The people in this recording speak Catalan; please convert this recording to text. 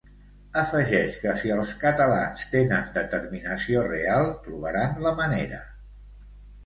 Afegeix que si els catalans tenen determinació real, trobaran la manera.